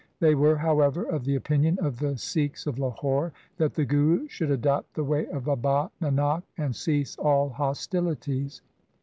They were, however, of the opinion of the Sikhs of Lahore that the Guru should adopt the way of Baba Nanak and cease all hostilities.